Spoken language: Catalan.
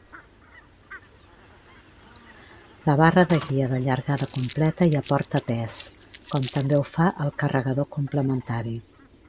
La barra de guia de llargada completa hi aporta pes, com també ho fa el carregador complementari.